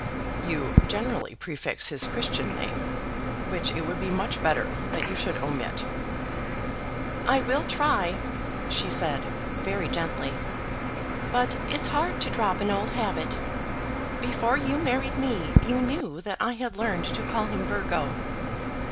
"You generally prefix his Christian name, which it would be much better that you should omit." "I will try," she said, very gently; "but it's hard to drop an old habit. Before you married me you knew that I had learned to call him Burgo."